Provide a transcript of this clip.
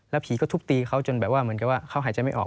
ผีก็ทุบตีเขาจนแบบว่าเหมือนกับว่าเขาหายใจไม่ออก